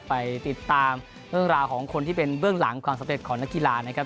ไปติดตามเรื่องราวของคนที่เป็นเบื้องหลังความสำเร็จของนักกีฬานะครับ